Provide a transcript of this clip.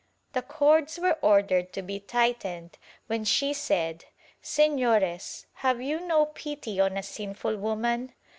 The cords were ordered to be tightened when she said "Sefiores have you no pity on a sinful woman